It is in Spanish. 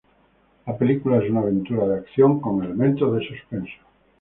La película es una aventura de acción con elementos de suspenso.